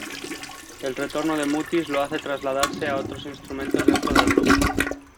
El retorno de Mutis lo hace trasladarse a otros instrumentos dentro del grupo.